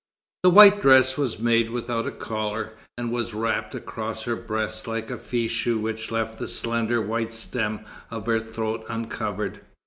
The white dress was made without a collar, and was wrapped across her breast like a fichu which left the slender white stem of her throat uncovered.